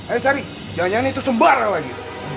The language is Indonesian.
ayo sari jangan nyanyi terus sembarang lagi